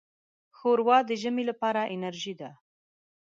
ښوروا د ژمي لپاره انرجۍ ده.